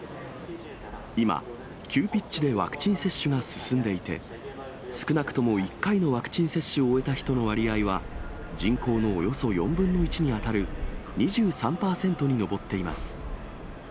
今、急ピッチでワクチン接種が進んでいて、少なくとも１回のワクチン接種を終えた人の割合は、人口のおよそ４分の１に当たる２３％に上っています。